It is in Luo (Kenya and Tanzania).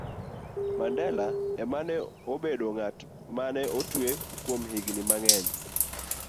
Mandela ema ne obedo ng'at ma ne otwe kuom higini mang'eny